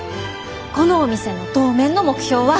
このお店の当面の目標は。